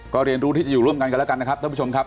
ก็เรียนรู้ที่จะอยู่ร่วมกันกันแล้วกันนะครับท่านผู้ชมครับ